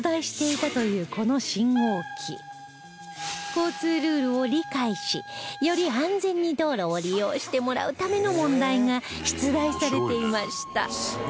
交通ルールを理解しより安全に道路を利用してもらうための問題が出題されていました